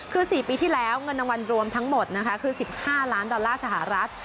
คือ๔ปีที่แล้วเงินรางวัลรวมทั้งหมดนะคะคือ๑๕ล้านดอลลาร์สหรัฐ